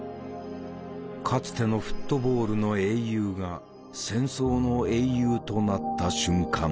かつてのフットボールの英雄が戦争の英雄となった瞬間だった。